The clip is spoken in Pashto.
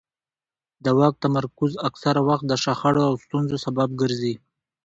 د واک تمرکز اکثره وخت د شخړو او ستونزو سبب ګرځي